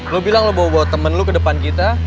lo bilang lo bawa temen lu ke depan kita